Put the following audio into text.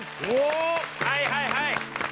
はいはいはい！